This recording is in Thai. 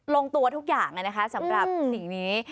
ลงตัวทุกอย่างนะคะสำหรับสิ่งนี้